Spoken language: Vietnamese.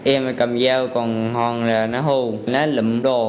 em cầm dao còn hòn là nó hù